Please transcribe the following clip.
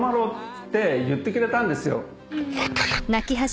て言ってくれたんですよ。